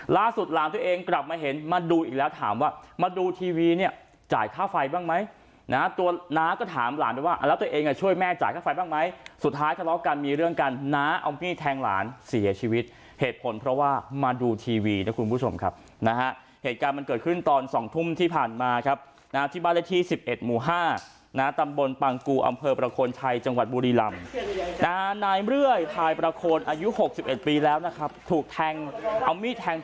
ล่าสุดหลานตัวเองกลับมาเห็นมาดูอีกแล้วถามว่ามาดูทีวีเนี่ยจ่ายค่าไฟบ้างไหมนะฮะตัวน้าก็ถามหลานด้วยว่าแล้วตัวเองก็ช่วยแม่จ่ายค่าไฟบ้างไหมสุดท้ายทะเลาะกันมีเรื่องกันน้าเอามิ้นทางหลานเสียชีวิตเหตุผลเพราะว่ามาดูทีวีนะคุณผู้ชมครับนะฮะเหตุการณ์มันเกิดขึ้นตอน๒ทุ่มที่ผ่านมา